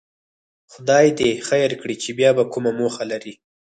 خدای دې خیر کړي چې بیا کومه موخه لري.